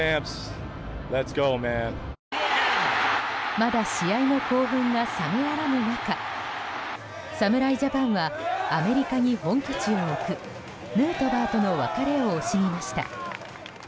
まだ試合の興奮が冷めやらぬ中侍ジャパンはアメリカに本拠地を置くヌートバーとの別れを惜しみました。